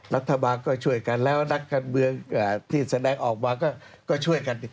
รัฐบาลก็ช่วยกันแล้วนักการเมืองที่แสดงออกมาก็ช่วยกัน